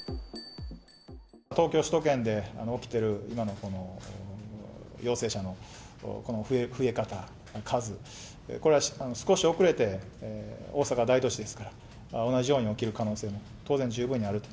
東京、首都圏で起きてる今の陽性者の増え方、数、これは少し遅れて、大阪は大都市ですから、同じように起きる可能性も当然、十分にあると。